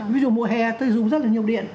ví dụ mùa hè tôi dùng rất là nhiều điện